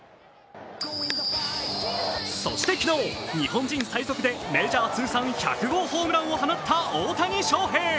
そして昨日、日本人最速でメジャー通算１００号ホームランを放った大谷翔平。